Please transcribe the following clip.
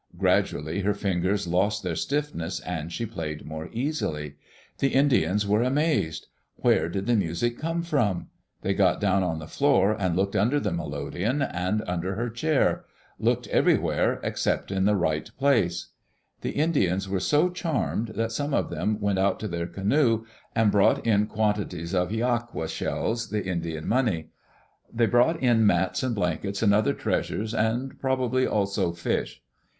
Gradually her fingers lost their stiffness and she played more easily. The Indians were amazed. Where did the music come from? They got down on the floor and looked under the melodeon, and Digitized by CjOOQ IC EARLY DAYS IN OLD OREGON under her chair — looked everywhere except in the right place. The Indians were so charmed that some of them went out to their canoe and brought in quantities of hiaqua shells, the Indian money; they brought in mats and baskets and other treasures, and probably also fish.